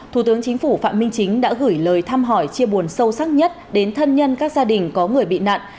thủ tướng chính phủ phạm minh chính đã gửi lời thăm hỏi chia buồn sâu sắc nhất đến thân nhân các gia đình có người bị nạn